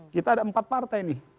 kita ada empat partai nih